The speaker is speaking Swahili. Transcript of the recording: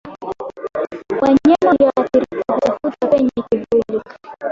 Wanyama walioathirika hutafuta penye kivuli